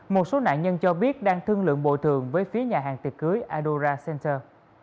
một số nạn nhân cho biết đang thương lượng bộ thường với phía nhà hàng tiệc cưới adora center